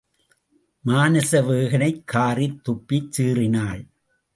மானசவேகனைக் காறித் துப்பிச் சீறினாள்.